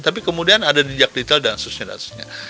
tapi kemudian ada jejak detail dan seterusnya